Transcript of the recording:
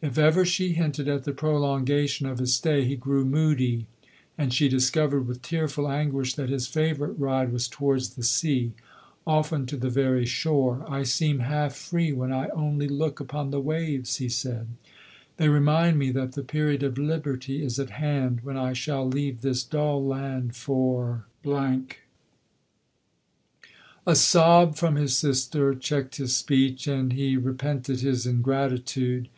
If ever she 88 LODORE. hinted at the prolongation of his stay, he grew moody, and she discovered with tearful anguish that his favourite ride was towards the sea, often to the very shore :" I seem half free when I only look upon the waves," he said ;" they remind me that the period of liberty is at hand, when I shall leave this dull land for " A sob from his sister checked his speech, and he repented his ingratitude.